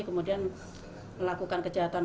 kemudian melakukan kejahatan lainnya